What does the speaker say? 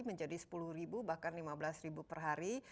menjadi sepuluh ribu bahkan lima belas ribu per hari